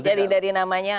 jadi dari namanya